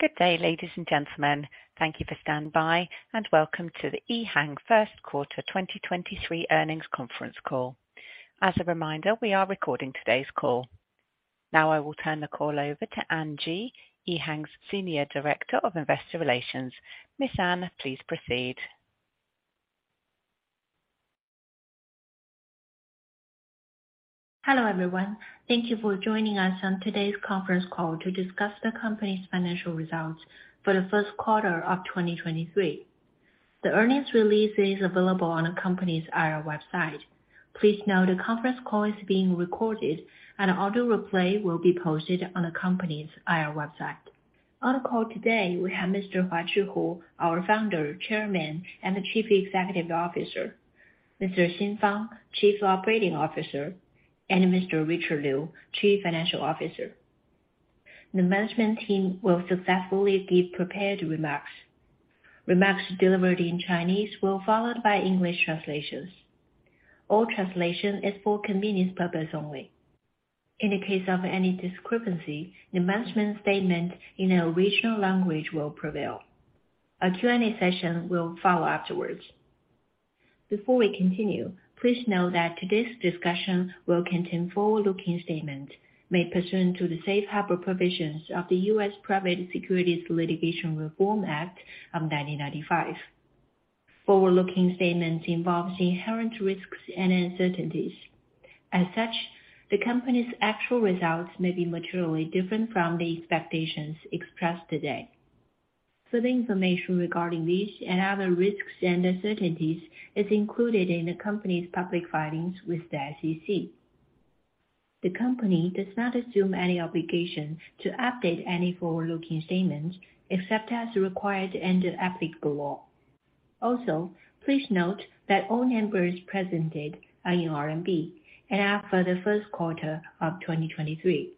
Good day, ladies and gentlemen. Thank you for standby, and welcome to the EHang first quarter 2023 earnings conference call. As a reminder, we are recording today's call. Now, I will turn the call over to Anne Ji, EHang's Senior Director of Investor Relations. Miss Anne, please proceed. Hello, everyone. Thank you for joining us on today's conference call to discuss the company's financial results for the first quarter of 2023. The earnings release is available on the company's IR website. Please note, the conference call is being recorded, and an audio replay will be posted on the company's IR website. On the call today, we have Mr. Huazhi Hu, our Founder, Chairman, and the Chief Executive Officer, Mr. Xin Fang, Chief Operating Officer, and Mr. Richard Liu, Chief Financial Officer. The management team will successively give prepared remarks. Remarks delivered in Chinese will followed by English translations. All translation is for convenience purpose only. In the case of any discrepancy, the management statement in the original language will prevail. A Q&A session will follow afterwards. Before we continue, please note that today's discussion will contain forward-looking statements made pursuant to the safe harbor provisions of the U.S. Private Securities Litigation Reform Act of 1995. Forward-looking statements involves inherent risks and uncertainties. The company's actual results may be materially different from the expectations expressed today. For the information regarding these and other risks and uncertainties is included in the company's public filings with the SEC. The company does not assume any obligation to update any forward-looking statements, except as required under applicable law. Please note that all numbers presented are in RMB and are for the first quarter of 2023,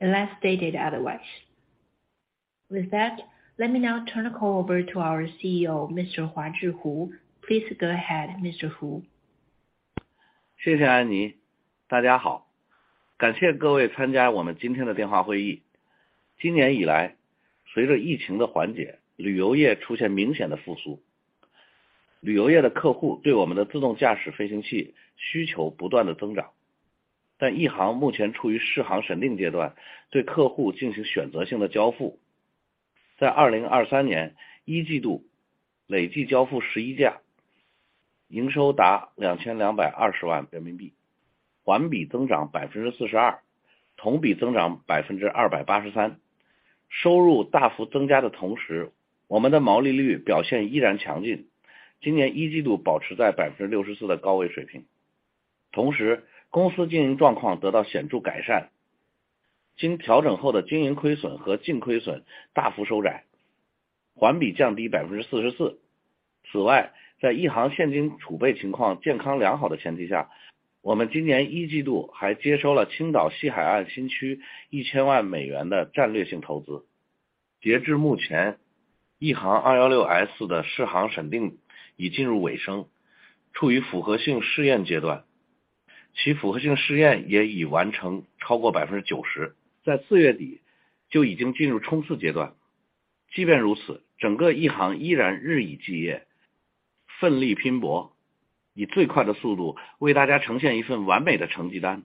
unless stated otherwise. Let me now turn the call over to our CEO, Mr. Huazhi Hu. Please go ahead, Mr. Hu. Thank you, Anne. 大家 好， 感谢各位参加我们今天的电话会议。今年以 来， 随着疫情的缓 解， 旅游业出现明显的复 苏， 旅游业的客户对我们的自动驾驶飞行器需求不断的增 长， 但艺航目前处于适航审定阶 段， 对客户进行选择性的交付。在二零二三年一季度累计交付十一 架， 营收达两千两百二十万人民 币， 环比增长百分之四十 二， 同比增长百分之二百八十三。收入大幅增加的同 时， 我们的毛利率表现依然强 劲， 今年一季度保持在百分之六十四的高位水平。同时公司经营状况得到显著改善，经调整后的经营亏损和净亏损大幅收 窄， 环比降低百分之四十四。此 外， 在艺航现金储备情况健康良好的前提 下， 我们今年一季度还接收了青岛西海岸新区一千万美元的战略性投资。截至目 前， 艺航 216S 的适航审定已进入尾 声， 处于符合性试验阶 段， 其符合性试验也已完成超过百分之九 十， 在四月底就已经进入冲刺阶段。即便如 此， 整个艺航依然日以继 夜， 奋力拼 搏， 以最快的速度为大家呈现一份完美的成绩单。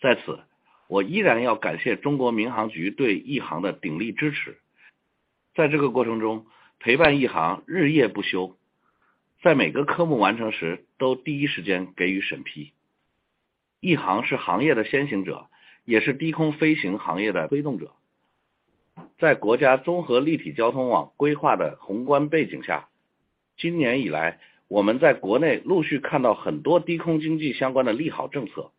在 此， 我依然要感谢中国民航局对艺航的鼎力支 持， 在这个过程中陪伴艺航日夜不 休， 在每个科目完成时都第一时间给予审批。艺航是行业的先行者，也是低空飞行行业的推动者。在国家综合立体交通网规划的宏观背景 下， 今年以 来， 我们在国内陆续看到很多低空经济相关的利好政策。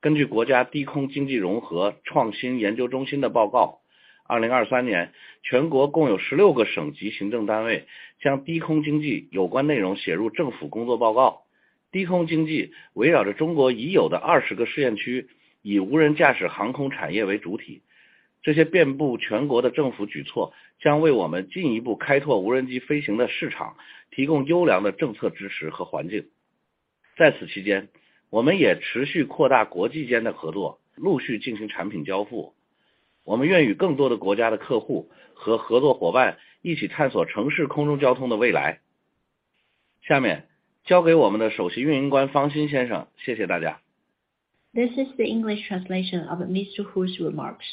根据国家低空经济融合创新研究中心的报 告， 二零二三年全国共有十六个省级行政单位将低空经济有关内容写入政府工作报告。低空经济围绕着中国已有的二十个试验区，以无人驾驶航空产业为主 体， 这些遍布全国的政府举措将为我们进一步开拓无人机飞行的市 场， 提供优良的政策支持和环境。在此期 间， 我们也持续扩大国际间的合 作， 陆续进行产品交付。我们愿与更多的国家的客户和合作伙伴一起探索城市空中交通的未来。下面交给我们的首席运营官方鑫先生。谢谢大家。This is the English translation of Mr. Hu's remarks.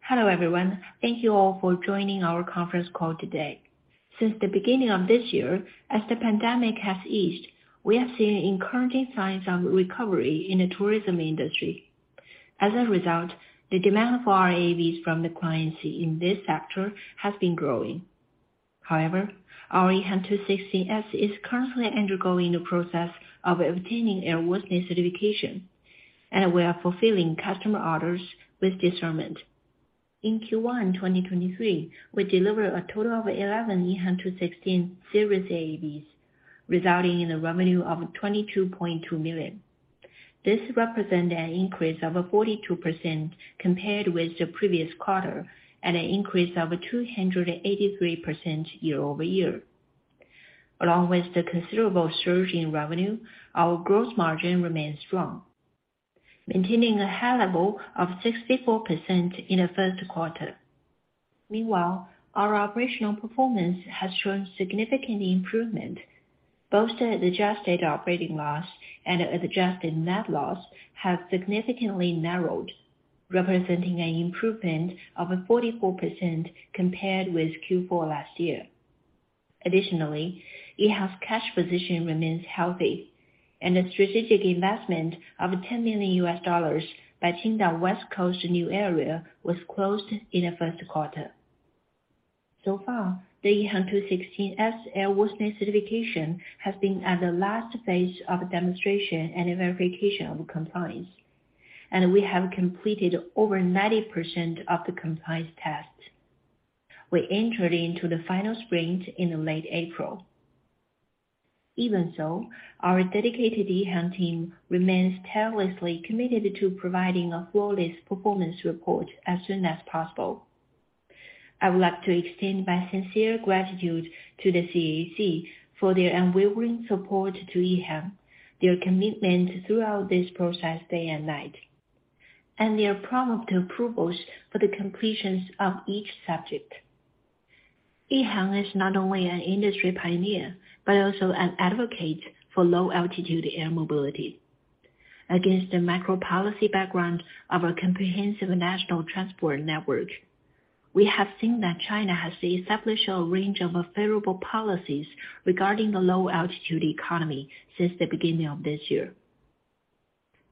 Hello, everyone. Thank you all for joining our conference call today. Since the beginning of this year, as the pandemic has eased, we have seen encouraging signs of recovery in the tourism industry. As a result, the demand for our AVs from the clients in this sector has been growing. Our EH216-S is currently undergoing the process of obtaining airworthiness certification, and we are fulfilling customer orders with discernment. In Q1, 2023, we delivered a total of 11 EH216 series AVs, resulting in a revenue of 22.2 million. This represent an increase of 42% compared with the previous quarter, and an increase of 283% year-over-year. Along with the considerable surge in revenue, our gross margin remains strong, maintaining a high level of 64% in the first quarter. Meanwhile, our operational performance has shown significant improvement. Both the adjusted operating loss and adjusted net loss have significantly narrowed, representing an improvement of 44% compared with Q4 last year. Additionally, EHang's cash position remains healthy, and the strategic investment of $10 million by Qingdao West Coast New Area was closed in the first quarter. So far, the EH216-S airworthiness certification has been at the last phase of demonstration and verification of compliance, and we have completed over 90% of the compliance tests. We entered into the final sprint in the late April. Even so, our dedicated EHang team remains tirelessly committed to providing a flawless performance report as soon as possible. I would like to extend my sincere gratitude to the CAAC for their unwavering support to EHang, their commitment throughout this process, day and night, and their prompt approvals for the completions of each subject. EHang is not only an industry pioneer, but also an advocate for low altitude air mobility. Against the macro policy background of a comprehensive national transport network, we have seen that China has established a range of favorable policies regarding the low-altitude economy since the beginning of this year.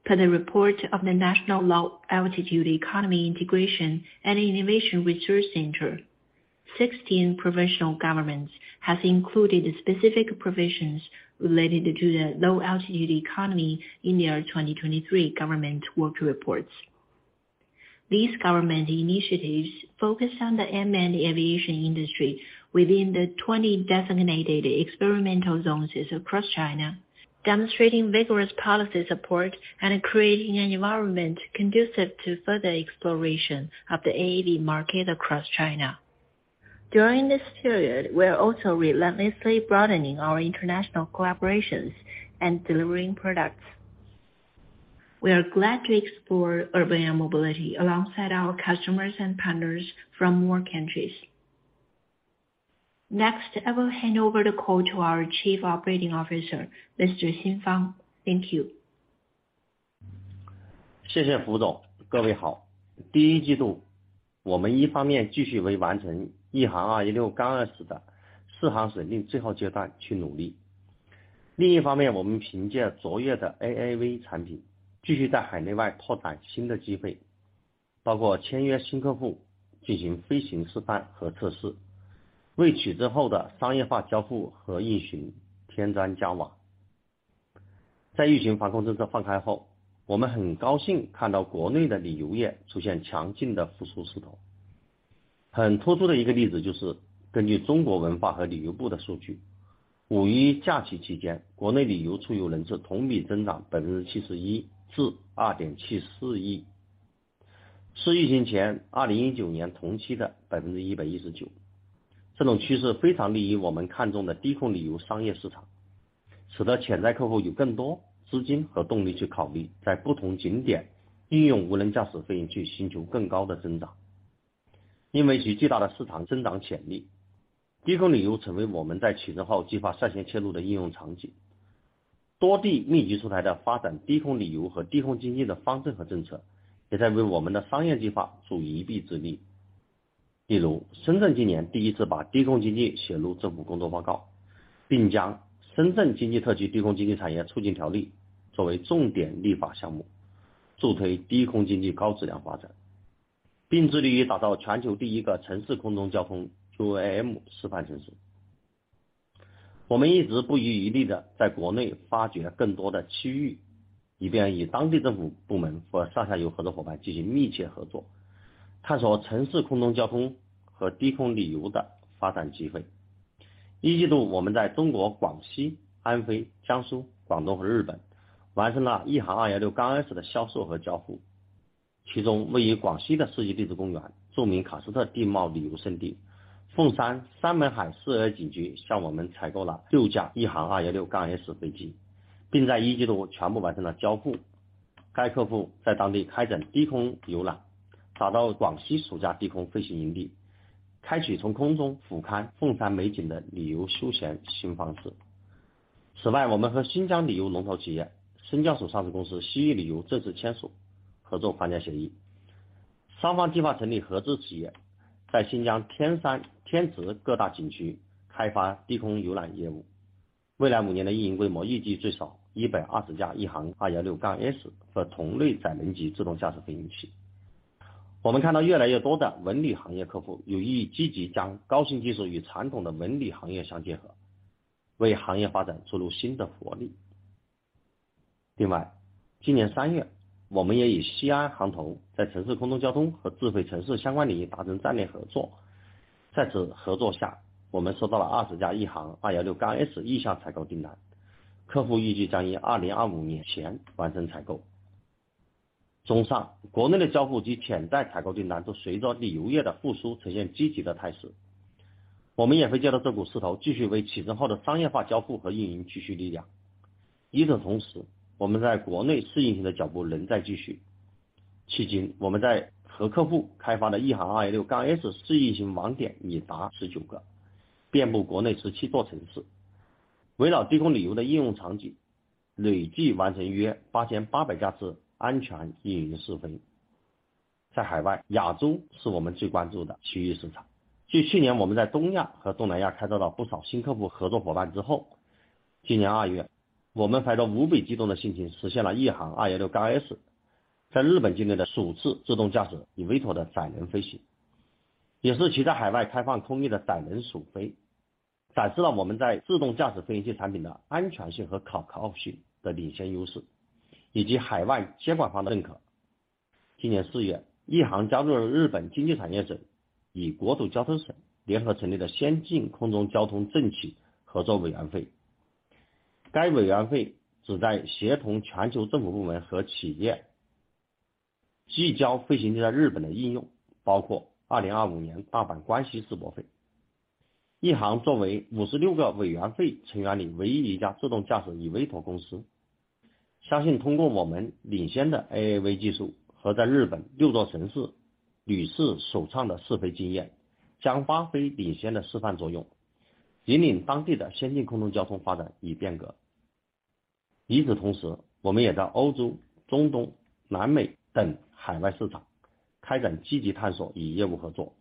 Per the report of the National Low Altitude Economy Integration and Innovation Research Center, 16 provincial governments has included specific provisions related to the low-altitude economy in their 2023 government work reports. These government initiatives focus on the unmanned aviation industry within the 20 designated experimental zones across China, demonstrating vigorous policy support and creating an environment conducive to further exploration of the AAV market across China. During this period, we are also relentlessly broadening our international collaborations and delivering products. We are glad to explore urban air mobility alongside our customers and partners from more countries. Next, I will hand over the call to our Chief Operating Officer, Mr. Xin Fang. Thank you. 谢谢胡总。各位 好！ 第一季 度， 我们一方面继续为完成一航二一六杠 S 的适航审定最后阶段去努 力， 另一方 面， 我们凭借卓越的 AAV 产品继续在海内外拓展新的机 会， 包括签约新客户、进行飞行示范和测 试， 为启之后的商业化交付和运行添砖加瓦。在疫情防控政策放开 后， 我们很高兴看到国内的旅游业出现强劲的复苏势头。很突出的一個例子就 是， 根据中国文化和旅游部的数 据， 五一假期期 间， 国内旅游出游人次同比增长百分之七十 一， 至二点七四 亿， 是疫情前2019年同期的百分之一百一十九。这种趋势非常利于我们看重的低空旅游商业市 场， 使得潜在客户有更多资金和动力去考虑在不同景点应用无人驾驶飞行 器， 寻求更高的增长。因为其巨大的市场增长潜 力， 低空旅游成为我们在启程后计划率先切入的应用场景。多地密集出台的发展低空旅游和低空经济的方针和政 策， 也在为我们的商业计划助一臂之力。例 如， 深圳今年第一次把低空经济写入政府工作报 告， 并将深圳经济特区低空经济产业促进条例作为重点立法项 目， 助推低空经济高质量发展，并致力于打造全球第一个城市空中交通 UAM 示范城市。我们一直不遗余力地在国内发掘更多的区 域， 以便与当地政府部门和上下游合作伙伴进行密切合 作， 探索城市空中交通和低空旅游的发展机会。第一季 度， 我们在中国广西、安徽、江苏、广东和日本完成了 EHang 216杠 S 的销售和交付，其中位于广西的世纪荔枝公园、著名喀斯特地貌旅游胜地凤山三门海 4A 景 区， 向我们采购了六架 EHang 216杠 S 飞 机， 并在一季度全部完成了交付。该客户在当地开展低空游 览， 打造广西首家低空飞行营 地， 开启从空中俯瞰凤山美景的旅游休闲新方式。此 外， 我们和新疆旅游龙头企业深交所上市公司西域旅游正式签署合作框架协 议， 双方计划成立合资企 业， 在新疆、天山、天池各大景区开发低空游览业 务， 未来五年的运营规模预计最少一百二十架 ，EHang 216杠 S 和同类载人级自动驾驶飞行器。我们看到越来越多的文旅行业客户有意积极将高新技术与传统的文旅行业相结 合， 为行业发展注入新的活力。另 外， 今年三月，我们也与西安航投在城市空中交通和智慧城市相关领域达成战略合作。在此合作 下， 我们收到了二十架 EHang 216杠 S 意向采购订 单， 客户预计将于2025年前完成采 购。... 综 上， 国内的交付及潜在采购的难 度， 随着旅游业的复苏呈现积极的态 势， 我们也会借着这股势 头， 继续为启程后的商业化交付和运营积蓄力量。与此同时，我们在国内试运行的脚步仍在继续。迄 今， 我们在和客户开发的 Ehang 二一六杠 S 试运行网点已达十九 个， 遍布国内十七座城 市， 围绕低空旅游的应用场 景， 累计完成约八千八百架次安全运营试飞。在海 外， 亚洲是我们最关注的区域市场。继去年我们在东亚和东南亚开到不少新客户合作伙伴之 后， 今年二月，我们怀着无比激动的心 情， 实现了 Ehang 二一六杠 S 在日本境内的首次自动驾驶以微托的载人飞 行， 也是其他海外开放空域的载人首 飞， 展示了我们在自动驾驶飞行器产品的安全性和 靠， 靠谱性的领先优 势， 以及海外监管方的认可。今年四 月， 一航加入了日本经济产业 省， 以国土交通省联合成立的先进空中交通政企合作委员会。该委员会旨在协同全球政府部门和企 业， 聚焦飞行器在日本的应 用， 包括二零二五年大阪关系世博会。一航作为五十六个委员会成员里唯一一家自动驾驶以微托公 司， 相信通过我们领先的 AAV 技术和在日本六座城市屡试首创的试飞经 验， 将发挥领先的示范作 用， 引领当地的先进空中交通发展与变革。与此同 时， 我们在欧洲、中东、南美等海外市场开展积极探索与业务合作。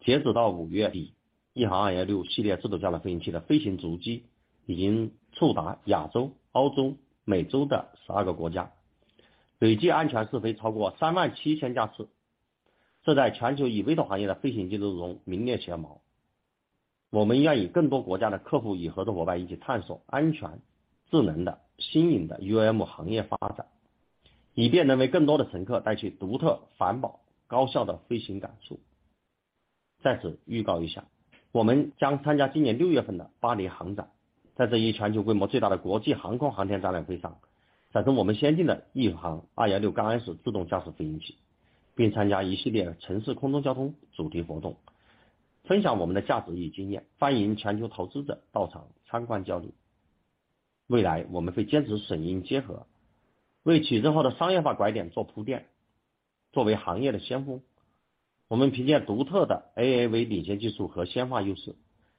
截止到五月底 ，Ehang 二一六系列自动驾驶飞行器的飞行逐机已经触达亚洲、欧洲、美洲的十二个国 家， 累计安全试飞超过三万七千架 次， 这在全球以微托行业的飞行技术中名列前茅。我们愿以更多国家的客户与合作伙伴一起探索安全、智能的新颖的 UAM 行业发 展， 以便能为更多的乘客带去独特、环保、高效的飞行感受。在此预告一 下， 我们将参加今年六月份的巴黎航 展， 在这一全球规模最大的国际航空航天展览会 上， 展示我们先进的 Ehang 二一六杠 S 自动驾驶飞行 器， 并参加一系列城市空中交通主题活 动， 分享我们的价值与经 验， 欢迎全球投资者到场参观交流。未 来， 我们会坚持审因结 合， 为启程后的商业化拐点做铺垫。作为行业的先 锋， 我们凭借独特的 AAV 领先技术和先发优 势，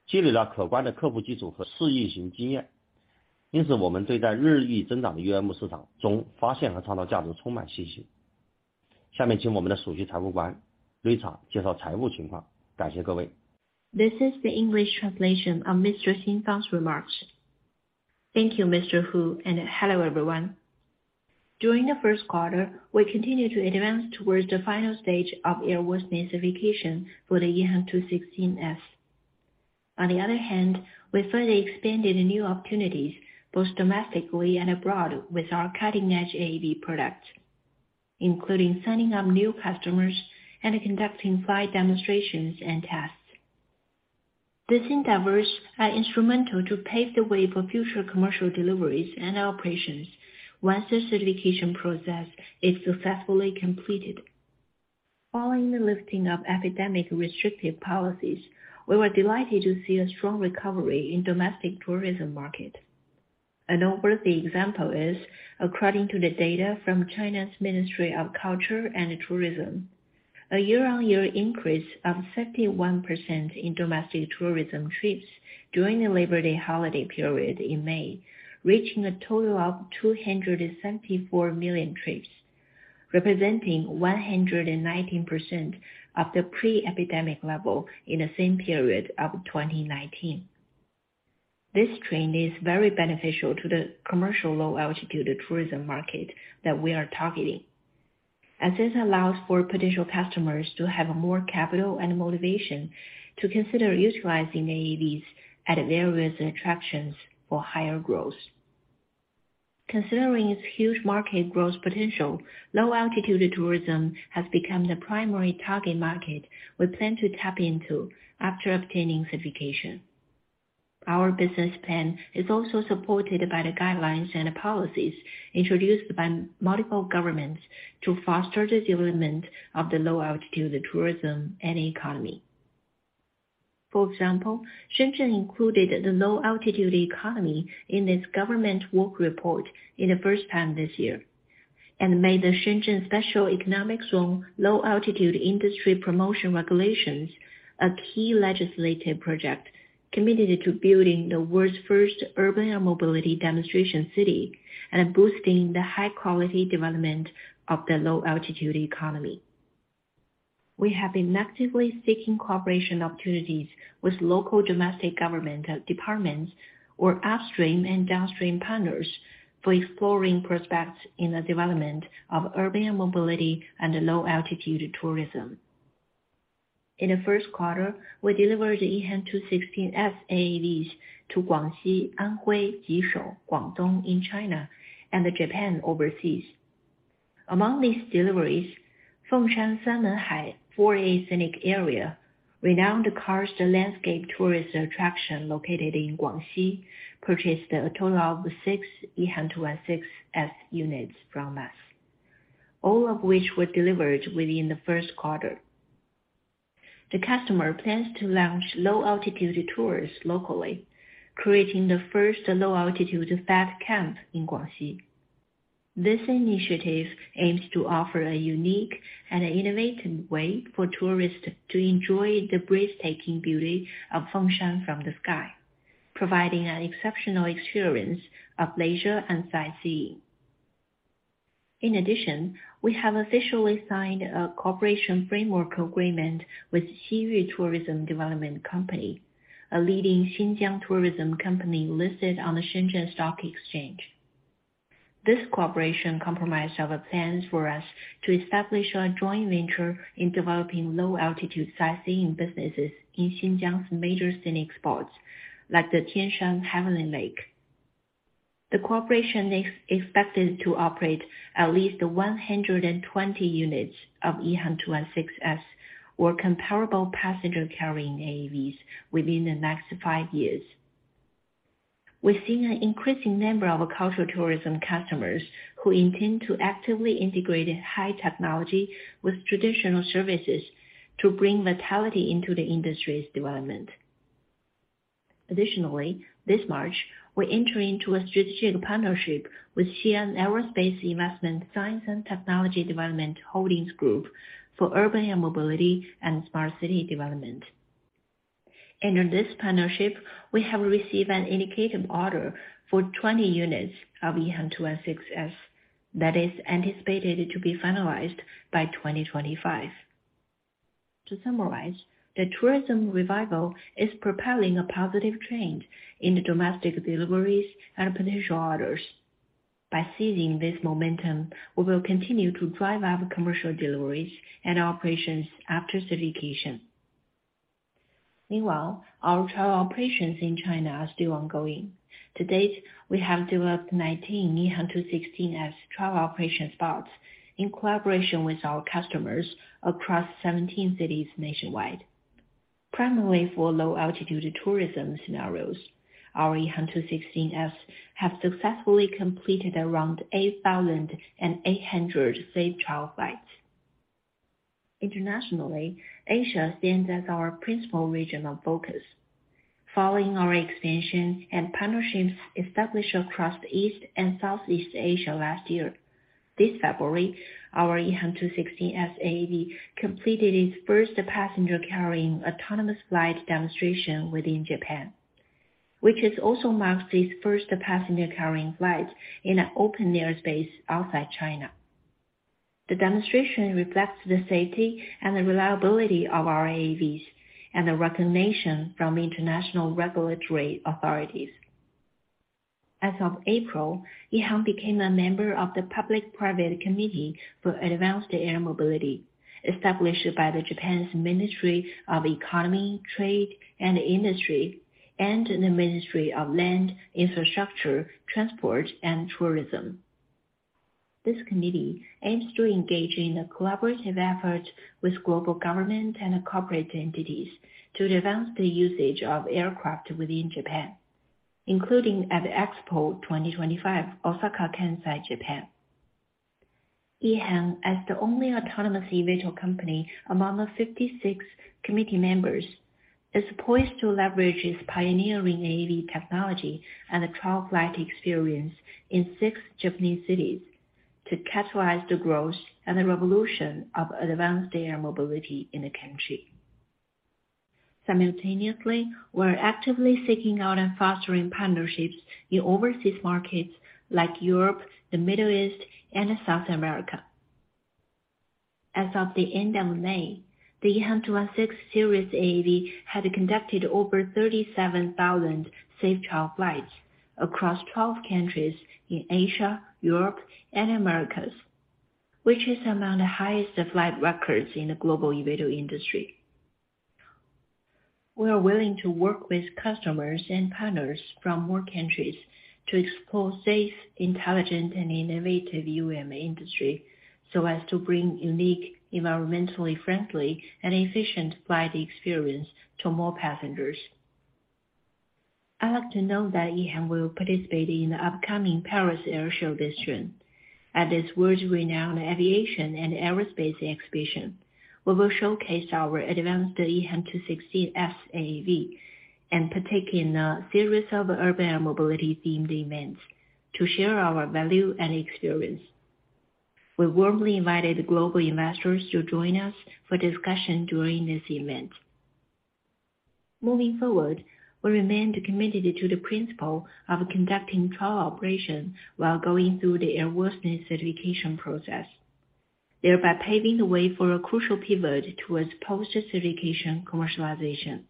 积累了可观的客户基础和试运行经 验， 因此我们对待日益增长的 UAM 市场中发现和创造价值充满信心。下面请我们的首席财务官瑞查介绍财务情 况， 感谢各位。This is the English translation of Mr. Xin Fang's remarks. Thank you, Mr. Hu, and hello, everyone. During the first quarter, we continued to advance towards the final stage of airworthiness certification for the EHang 216-S. On the other hand, we further expanded new opportunities both domestically and abroad with our cutting-edge AAV products, including signing up new customers and conducting flight demonstrations and tests. These endeavors are instrumental to pave the way for future commercial deliveries and operations once the certification process is successfully completed. Following the lifting of epidemic restrictive policies, we were delighted to see a strong recovery in domestic tourism market. An noteworthy example is according to the data from China's Ministry of Culture and Tourism, a year-on-year increase of 71% in domestic tourism trips during the Labor Day holiday period in May, reaching a total of 274 million trips, representing 119% of the pre-epidemic level in the same period of 2019. This trend is very beneficial to the commercial low-altitude tourism market that we are targeting, as this allows for potential customers to have more capital and motivation to consider utilizing AAVs at various attractions for higher growth. Considering its huge market growth potential, low-altitude tourism has become the primary target market we plan to tap into after obtaining certification. Our business plan is also supported by the guidelines and policies introduced by multiple governments to foster the development of the low-altitude tourism and economy. For example, Shenzhen included the low-altitude economy in its government work report in the first time this year, made the Shenzhen Special Economic Zone Low-altitude Industry Promotion Regulations, a key legislative project committed to building the world's first urban air mobility demonstration city and boosting the high-quality development of the low-altitude economy. We have been actively seeking cooperation opportunities with local domestic government departments or upstream and downstream partners for exploring prospects in the development of urban mobility and low-altitude tourism. In the first quarter, we delivered the EHang EH216-S AAVs to Guangxi, Anhui, Jishou, Guangdong in China and Japan overseas. Among these deliveries, Fengshan Sanmenhai 4A Scenic Area, renowned karst landscape tourist attraction located in Guangxi, purchased a total of six EHang EH216-S units from us, all of which were delivered within the first quarter. The customer plans to launch low-altitude tours locally, creating the first low-altitude flight camp in Guangxi. This initiative aims to offer a unique and innovative way for tourists to enjoy the breathtaking beauty of Fengshan from the sky, providing an exceptional experience of leisure and sightseeing. We have officially signed a cooperation framework agreement with Xiyu Tourism Development Company, a leading Xinjiang tourism company listed on the Shenzhen Stock Exchange. This cooperation compromised our plans for us to establish a joint venture in developing low-altitude sightseeing businesses in Xinjiang's major scenic spots, like the Tianshan Heavenly Lake. The cooperation is expected to operate at least 120 units of EH216-S, or comparable passenger-carrying AAVs within the next five years. We're seeing an increasing number of cultural tourism customers who intend to actively integrate high technology with traditional services to bring vitality into the industry's development. This March, we're entering into a strategic partnership with Xi'an Aerospace Investment Science and Technology Development Holdings Group for urban air mobility and smart city development. Under this partnership, we have received an indicative order for 20 units of EH216-S that is anticipated to be finalized by 2025. The tourism revival is propelling a positive change in the domestic deliveries and potential orders. By seizing this momentum, we will continue to drive our commercial deliveries and operations after certification. Our trial operations in China are still ongoing. We have developed 19 EH216-S trial operation spots in collaboration with our customers across 17 cities nationwide. Primarily for low-altitude tourism scenarios, our EH216-S have successfully completed around 8,800 safe trial flights. Internationally, Asia stands as our principal regional focus. Following our expansion and partnerships established across East and Southeast Asia last year, this February, our EH216-S AAV completed its first passenger carrying autonomous flight demonstration within Japan, which has also marked its first passenger carrying flight in an open airspace outside China. The demonstration reflects the safety and the reliability of our AAVs and the recognition from international regulatory authorities. As of April, EHang became a member of the Public-Private Committee for Advanced Air Mobility, established by the Japan's Ministry of Economy, Trade and Industry, and the Ministry of Land, Infrastructure, Transport and Tourism. This committee aims to engage in a collaborative effort with global government and corporate entities to advance the usage of aircraft within Japan, including at Expo 2025 Osaka, Kansai, Japan. EHang, as the only autonomous eVTOL company among the 56 committee members, is poised to leverage its pioneering AAV technology and the trial flight experience in six Japanese cities to catalyze the growth and the revolution of advanced air mobility in the country. Simultaneously, we're actively seeking out and fostering partnerships in overseas markets like Europe, the Middle East, and South America. As of the end of May, the EHang 216 series AAV had conducted over 37,000 safe trial flights across 12 countries in Asia, Europe, and Americas, which is among the highest flight records in the global eVTOL industry. We are willing to work with customers and partners from more countries to explore safe, intelligent and innovative UAM industry, so as to bring unique, environmentally friendly and efficient flight experience to more passengers. I'd like to note that EHang will participate in the upcoming Paris Air Show this June. At this world-renowned aviation and aerospace exhibition, we will showcase our advanced EHang 216-S AAV, and partake in a series of urban mobility themed events to share our value and experience. We warmly invited global investors to join us for discussion during this event. Moving forward, we remain committed to the principle of conducting trial operations while going through the airworthiness certification process, thereby paving the way for a crucial pivot towards post-certification commercialization.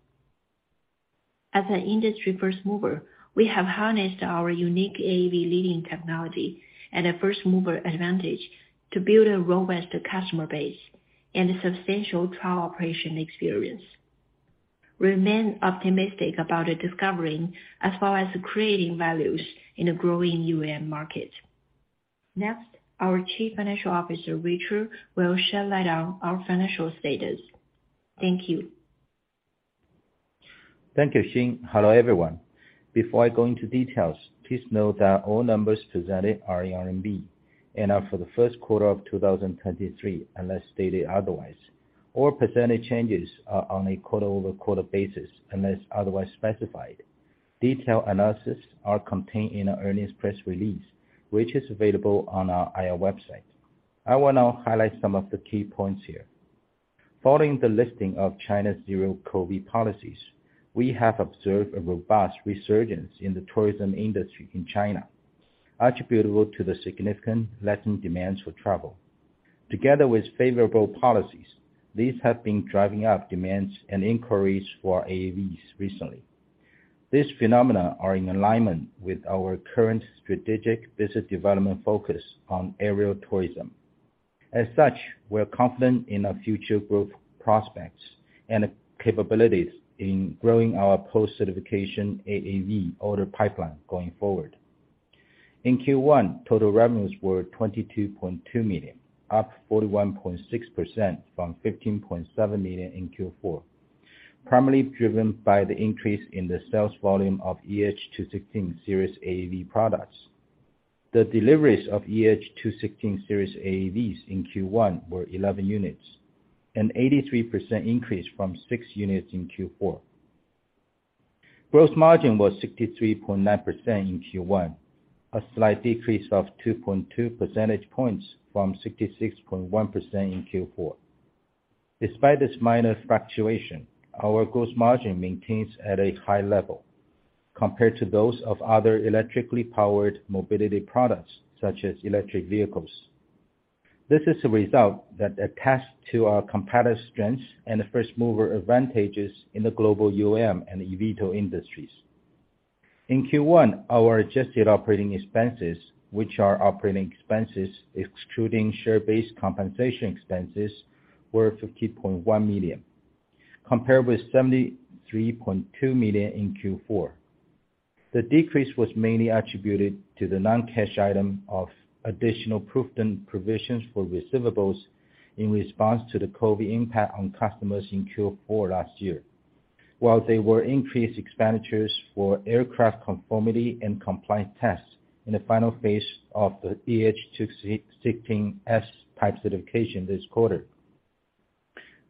As an industry first mover, we have harnessed our unique AAV leading technology and a first-mover advantage to build a robust customer base and a substantial trial operation experience. Remain optimistic about the discovering as well as creating values in a growing UAM market. Next, our Chief Financial Officer, Richard, will shed light on our financial status. Thank you. Thank you, Xin. Hello, everyone. Before I go into details, please note that all numbers presented are in RMB and are for the first quarter of 2023, unless stated otherwise. All percentage changes are on a quarter-over-quarter basis, unless otherwise specified. Detailed analysis are contained in our earnings press release, which is available on our IR website. I will now highlight some of the key points here. Following the listing of China's Zero-COVID policies, we have observed a robust resurgence in the tourism industry in China, attributable to the significant lessen demands for travel. Together with favorable policies, these have been driving up demands and inquiries for AAVs recently. These phenomena are in alignment with our current strategic business development focus on aerial tourism. As such, we're confident in our future growth prospects and capabilities in growing our post-certification AAV order pipeline going forward. In Q1, total revenues were 22.2 million, up 41.6% from 15.7 million in Q4, primarily driven by the increase in the sales volume of EH216 series AAV products. The deliveries of EH216 series AAVs in Q1 were 11 units, an 83% increase from six units in Q4. Gross margin was 63.9% in Q1, a slight decrease of 2.2 percentage points from 66.1% in Q4. Despite this minor fluctuation, our gross margin maintains at a high level compared to those of other electrically powered mobility products, such as electric vehicles. This is a result that attests to our competitive strengths and the first mover advantages in the global UAM and eVTOL industries. In Q1, our adjusted operating expenses, which are operating expenses, excluding share-based compensation expenses, were 50.1 million, compared with 73.2 million in Q4. The decrease was mainly attributed to the non-cash item of additional proved and provisions for receivables in response to the COVID impact on customers in Q4 last year, while there were increased expenditures for aircraft conformity and compliance tests in the final phase of the EH216-S type certification this quarter.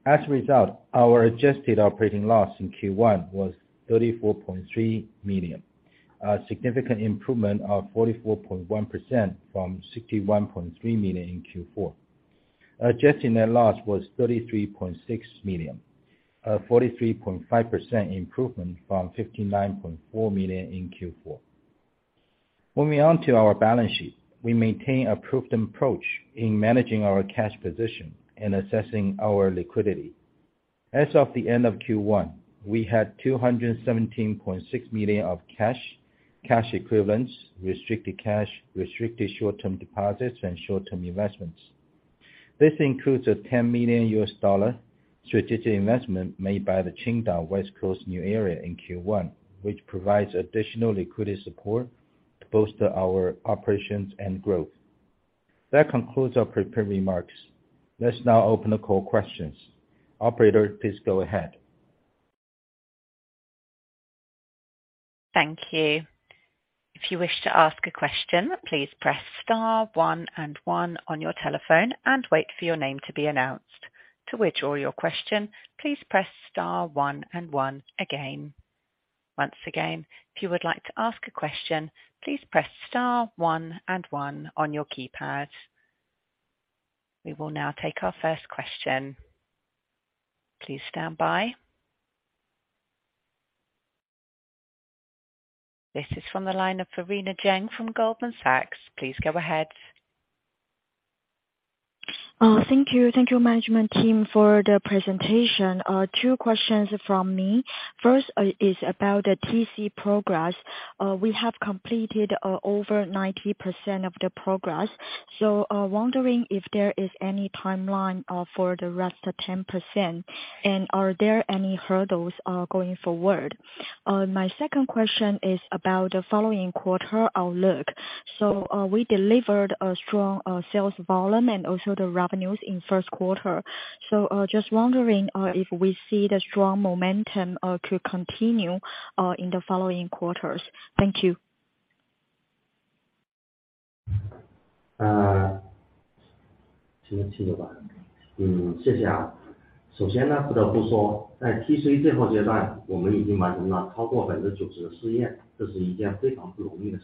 As a result, our adjusted operating loss in Q1 was 34.3 million, a significant improvement of 44.1% from 61.3 million in Q4. Adjusted net loss was 33.6 million, a 43.5% improvement from 59.4 million in Q4. Moving on to our balance sheet, we maintain a prudent approach in managing our cash position and assessing our liquidity. As of the end of Q1, we had 217.6 million of cash equivalents, restricted cash, restricted short-term deposits, and short-term investments. This includes a RMB 10 million strategic investment made by the Qingdao West Coast New Area in Q1, which provides additional liquidity support to bolster our operations and growth. That concludes our prepared remarks. Let's now open the call questions. Operator, please go ahead. Thank you. If you wish to ask a question, please press star one and one on your telephone and wait for your name to be announced. To withdraw your question, please press star one and one again. Once again, if you would like to ask a question, please press star one and one on your keypad. We will now take our first question. Please stand by. This is from the line of Verena Jeng from Goldman Sachs. Please go ahead. Thank you. Thank you, management team, for the presentation. Two questions from me. First, is about the TC progress. We have completed over 90% of the progress, wondering if there is any timeline for the rest of 10%, and are there any hurdles going forward? My second question is about the following quarter outlook. We delivered a strong sales volume and also the revenues in first quarter. Just wondering if we see the strong momentum to continue in the following quarters? Thank you. thank you. First of all, I have to say that in the last stage of TC, we have completed more than 90% of the experiments, which is a very difficult thing. In this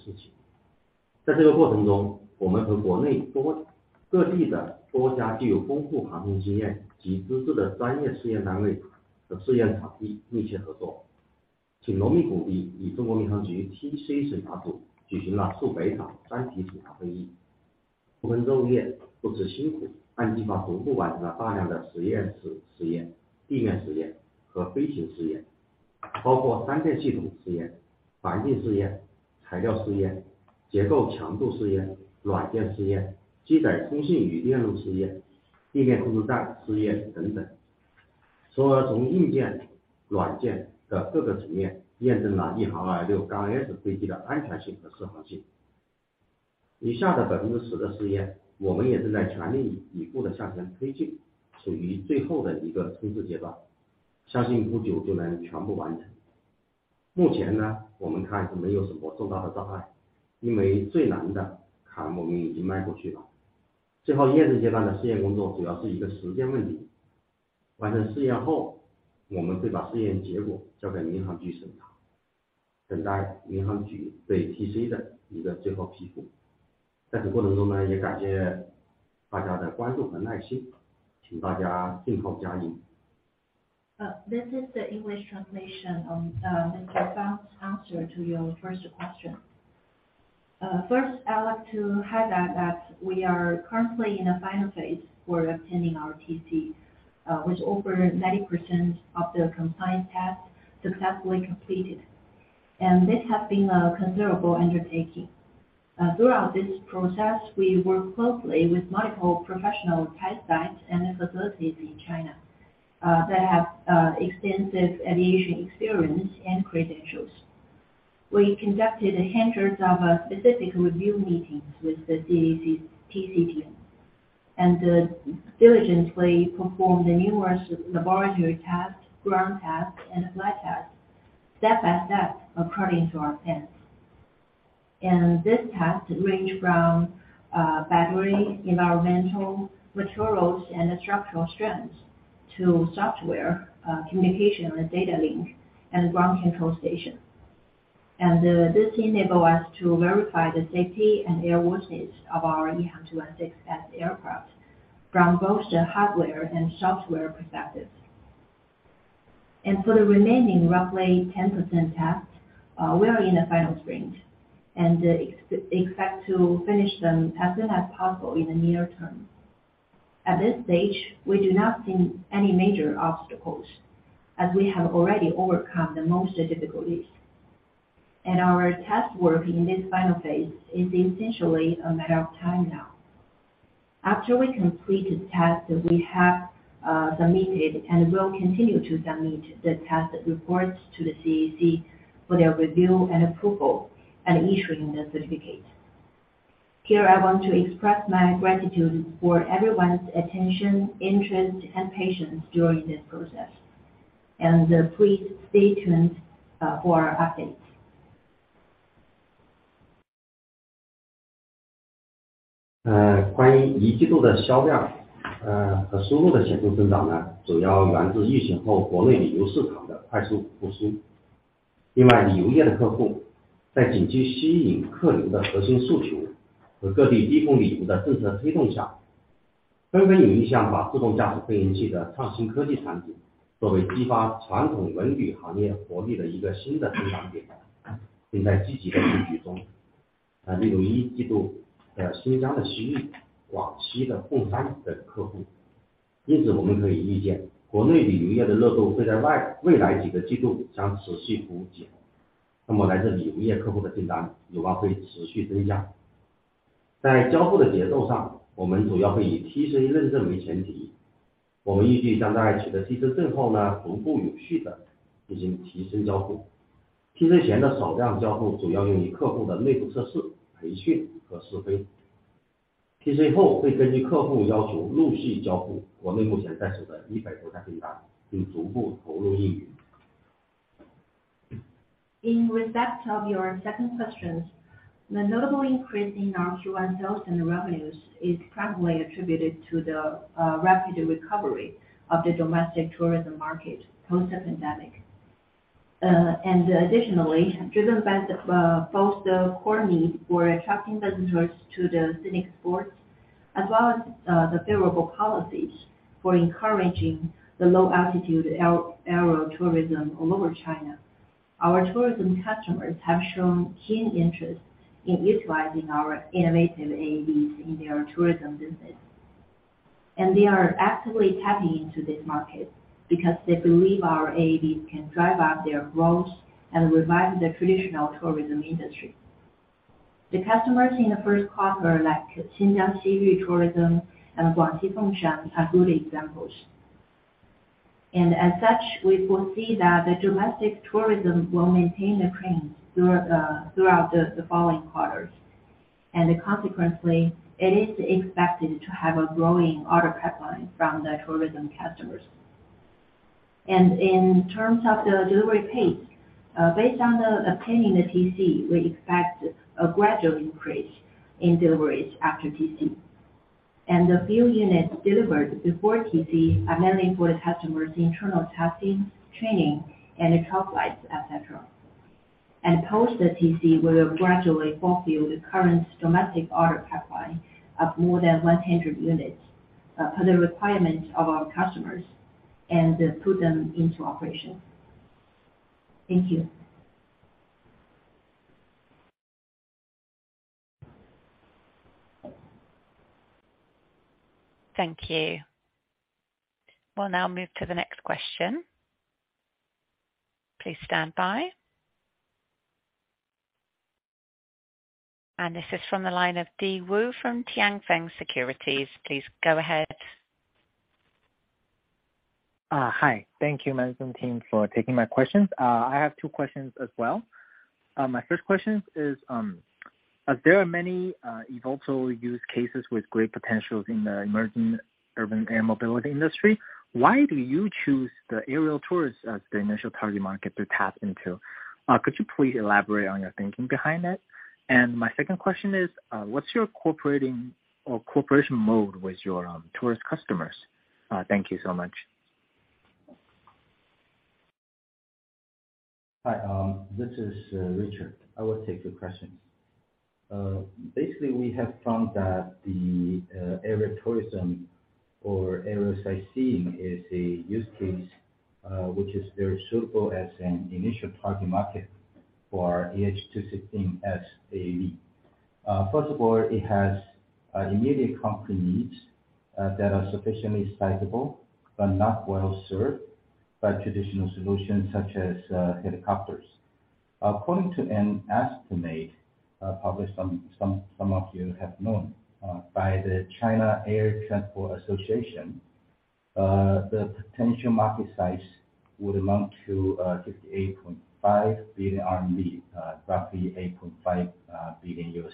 process, we have worked closely with a number of domestic and foreign companies with rich aviation experience and professional experimental units and experimental sites. It is also a very difficult task to carry out the TC examination with the Civil Aviation Administration of China TC examination group. We have worked hard to complete a large amount of experimental, ground experimental and flight experimental, including three-dimensional system experimental, environmental experimental-... 材料试验、结构强度试验、软件试验、机载通信与电路试验、地面控制站试验等等。所有从硬件、软件的各个层面验证了 Ehang 两百零六刚 AS 飞机的安全性和适航性。以下的百分之十的试 验， 我们也是在全力以赴地向前推 进， 处于最后的一个冲刺阶 段， 相信不久就能全部完成。目前 呢， 我们看是没有什么重大的障 碍， 因为最难的坎我们已经迈过去了。最后验证阶段的试验工作主要是一个时间问题。完成试验 后， 我们会把试验结果交给民航局审 查， 等待民航局对 TC 的一个最后批复。在这个过程中 呢， 也感谢大家的关注和耐 心， 请大家静候佳音。This is the English translation of Mr. Fang's answer to your first question. First, I'd like to highlight that we are currently in a final phase for obtaining our TC, which over 90% of the compliance tests successfully completed. This has been a considerable undertaking. Throughout this process, we work closely with multiple professional test sites and facilities in China that have extensive aviation experience and credentials. We conducted hundreds of specific review meetings with the CAAC TC team, diligently performed the numerous laboratory tests, ground tests and flight tests, step by step according to our plans. These tests range from battery, environmental, materials, and structural strength, to software, communication and data link, and ground control station. This enable us to verify the safety and airworthiness of our EH216-S aircraft from both the hardware and software perspectives. For the remaining roughly 10% tests, we are in the final sprint, and expect to finish them as soon as possible in the near term. At this stage, we do not see any major obstacles, as we have already overcome the most difficulties. Our test work in this final phase is essentially a matter of time now. After we complete the test, we have submitted and will continue to submit the test reports to the CAAC for their review and approval, and issuing the certificate. Here I want to express my gratitude for everyone's attention, interest, and patience during this process, and please stay tuned for updates. 呃， 关于一季度的销 量， 呃， 和收入的显著增长 呢， 主要源自疫情后国内旅游市场的快速复苏。另 外， 旅游业的客户在紧急吸引客流的核心诉求和各地低空旅游的政策推动 下， 纷纷有意向把自动驾驶飞行器的创新科技产 品， 作为激发传统文旅行业活力的一个新的增长 点， 并在积极的布局中。啊例如一季度在新疆的西域、广西的凤山等客户。因 此， 我们可以预 见， 国内旅游业的热度会在未-未来几个季度将持续不 减， 那么来自旅游业客户的订单有望会持续增加。在交付的节奏 上， 我们主要会以 TC 认证为前 提， 我们预计将在取得 TC 证后 呢， 逐步有序地进行提升交付。TC 前的少量交付主要用于客户的内部测试、培训和试飞。TC 后会根据客户要求陆续交 付， 我们目前在手的一百多架订 单， 并逐步投入运营。In respect of your second questions, the notable increase in our Q1 sales and revenues is primarily attributed to the rapid recovery of the domestic tourism market post the pandemic. Additionally, driven by both the core need for attracting visitors to the scenic spots, as well as the favorable policies for encouraging the low altitude aerial tourism all over China. Our tourism customers have shown keen interest in utilizing our innovative AAVs in their tourism business, and they are actively tapping into this market, because they believe our AAVs can drive up their growth and revive the traditional tourism industry. The customers in the first quarter, like Xiyu Tourism, and Guangxi Fengshan are good examples. As such, we foresee that the domestic tourism will maintain the trend throughout the following quarters. Consequently, it is expected to have a growing order pipeline from the tourism customers. In terms of the delivery pace, based on the obtaining the TC, we expect a gradual increase in deliveries after TC, and the few units delivered before TC are mainly for the customers' internal testing, training, and test flights, etc. Post the TC, we will gradually fulfill the current domestic order pipeline of more than 100 units per the requirements of our customers, and put them into operation. Thank you. Thank you. We'll now move to the next question. Please stand by. This is from the line of Di Wu from Tianfeng Securities. Please go ahead. Hi. Thank you, management team, for taking my questions. I have two questions as well. My first question is, as there are many eVTOL use cases with great potentials in the emerging urban air mobility industry, why do you choose the aerial tourist as the initial target market to tap into? Could you please elaborate on your thinking behind it? My second question is, what's your cooperation mode with your tourist customers? Thank you so much. Hi, this is Richard. I will take the question. Basically, we have found that aerial tourism or aerial sightseeing is a use case which is very suitable as an initial target market for EH216-S AAV. First of all, it has immediate company needs that are sufficiently sizable, but not well served by traditional solutions such as helicopters. According to an estimate, probably some of you have known, by the China Air Transport Association, the potential market size would amount to 58.5 billion RMB, roughly $8.5 billion.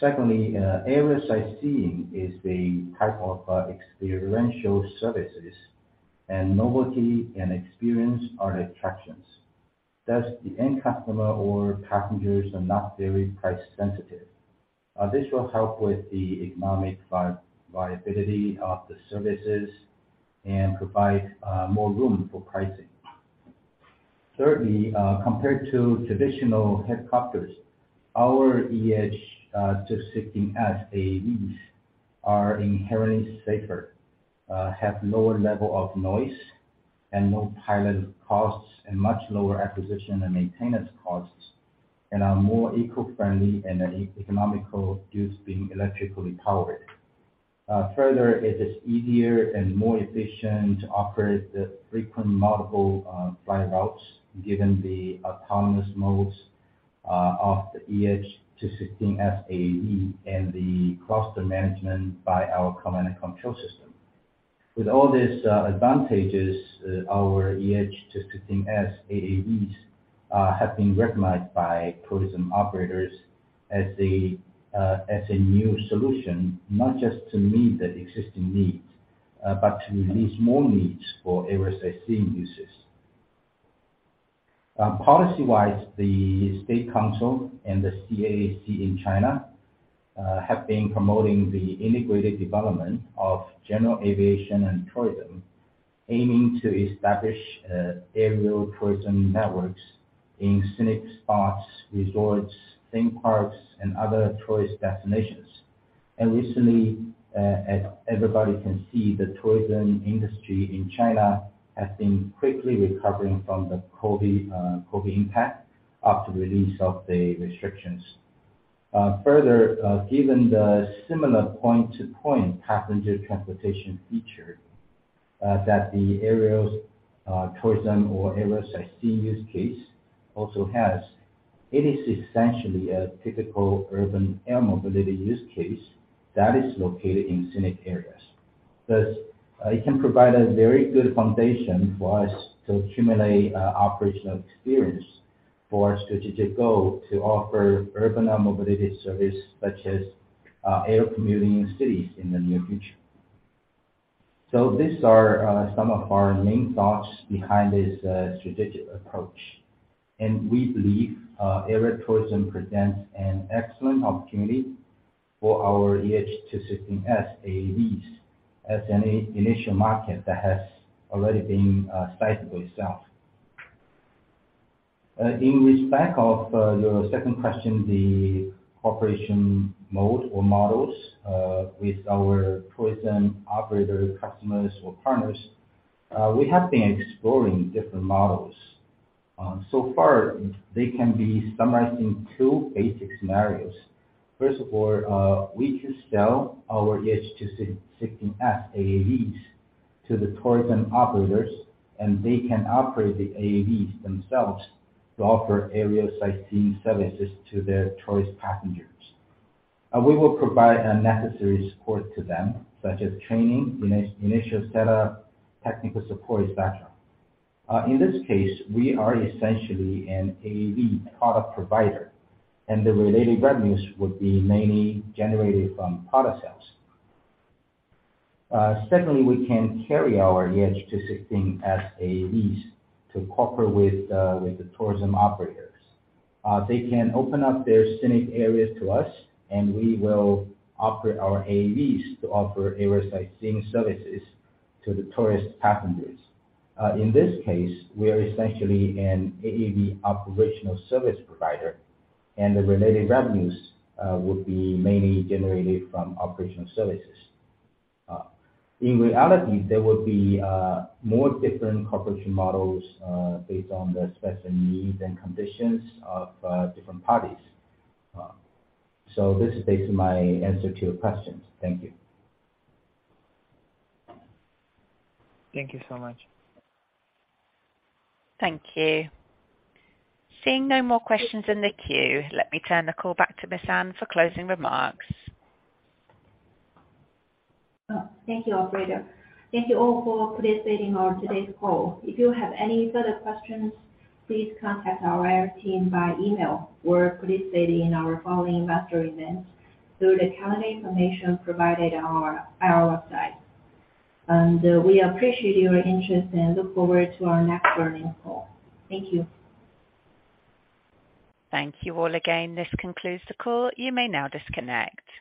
Secondly, aerial sightseeing is a type of experiential services, and novelty and experience are the attractions. Thus, the end customer or passengers are not very price sensitive. This will help with the economic viability of the services and provide more room for pricing. Thirdly, compared to traditional helicopters, our EH216-S AAVs are inherently safer, have lower level of noise, and no pilot costs, and much lower acquisition and maintenance costs, and are more eco-friendly and economical due to being electrically powered. Further, it is easier and more efficient to operate the frequent multiple fly routes, given the autonomous modes of the EH216-S AAV and the cluster management by our command-and-control system. With all these advantages, our EH216-S AAVs have been recognized by tourism operators as a new solution, not just to meet the existing needs, but to release more needs for aerial sightseeing uses. Policy-wise, the State Council and the CAAC in China have been promoting the integrated development of general aviation and tourism, aiming to establish aerial tourism networks in scenic spots, resorts, theme parks, and other tourist destinations. Recently, as everybody can see, the tourism industry in China has been quickly recovering from the COVID impact after release of the restrictions. Further, given the similar point-to-point passenger transportation feature that the aerials tourism or aerial sightseeing use case also has, it is essentially a typical urban air mobility use case that is located in scenic areas. Thus, it can provide a very good foundation for us to accumulate operational experience for our strategic goal to offer urban air mobility service, such as air commuting cities in the near future. These are some of our main thoughts behind this strategic approach, and we believe aerial tourism presents an excellent opportunity for our EH216-S AAVs as an initial market that has already been sizable itself. In respect of your second question, the cooperation mode or models with our tourism operator, customers, or partners, we have been exploring different models. So far, they can be summarized in 2 basic scenarios. First of all, we can sell our EH216-S AAVs to the tourism operators, and they can operate the AAVs themselves to offer aerial sightseeing services to their choice passengers. We will provide necessary support to them, such as training, initial setup, technical support, et cetera. In this case, we are essentially an AAV product provider, and the related revenues would be mainly generated from product sales. Secondly, we can carry our EH216-S AAVs to cooperate with the tourism operators. They can open up their scenic areas to us, and we will operate our AAVs to offer aerial sightseeing services to the tourist passengers. In this case, we are essentially an AAV operational service provider, and the related revenues would be mainly generated from operational services. In reality, there will be more different cooperation models based on the specific needs and conditions of different parties. This is basically my answer to your questions. Thank you. Thank you so much. Thank you. Seeing no more questions in the queue, let me turn the call back to Miss Anne for closing remarks. Thank you, operator. Thank you all for participating on today's call. If you have any further questions, please contact our IR team by email. We're participating in our following investor events through the calendar information provided on our website. We appreciate your interest and look forward to our next earnings call. Thank you. Thank you all again. This concludes the call. You may now disconnect.